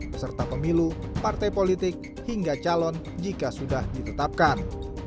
peserta pemilu partai politik hingga calon jika sudah ditetapkan